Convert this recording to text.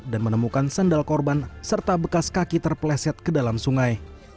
dan menemukan sandal korban serta bekas kaki terpleset ke dalam sungai